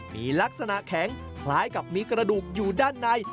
มีลักษณะแข็งคล้ายกับมีกระดูกอยู่ด้านใน